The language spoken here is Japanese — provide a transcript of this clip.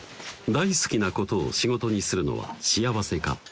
大好きなことを仕事にするのは幸せか？